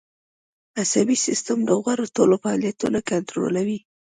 عصبي سیستم د غړو ټول فعالیتونه کنترولوي